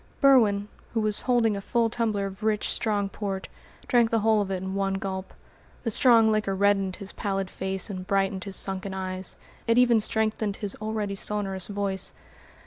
Berwin, who was holding a full tumbler of rich, strong port, drank the whole of it in one gulp. The strong liquor reddened his pallid face and brightened his sunken eyes; it even strengthened his already sonorous voice.